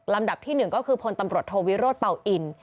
ดับที่๑ก็คือพลตำรวจโทวิโรธเป่าอิน